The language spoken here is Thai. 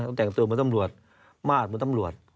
แต่งตัวเหมือนตำรวจมาสเหมือนตำรวจ